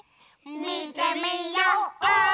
みてみよう！